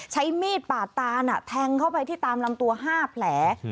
ใช้มีดปาดตานแทงเข้าไปที่ตามลำตัว๕แผล